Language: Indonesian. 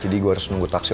jadi gue harus nunggu taksi